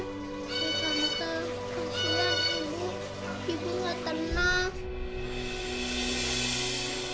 ya pak rete kasian ibu ibu gak tenang